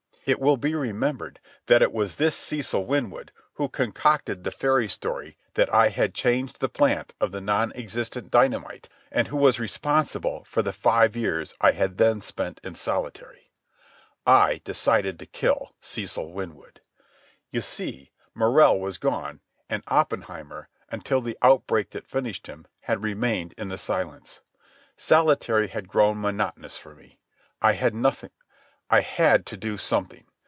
It will be remembered that it was this Cecil Winwood who concocted the fairy story that I had changed the plant of the non existent dynamite and who was responsible for the five years I had then spent in solitary. I decided to kill Cecil Winwood. You see, Morrell was gone, and Oppenheimer, until the outbreak that finished him, had remained in the silence. Solitary had grown monotonous for me. I had to do something.